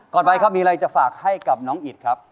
ก่อนไปมีอะไรให้กับน้องอิทธิ์ครับ